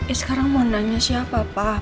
eh sekarang mau nanya siapa pak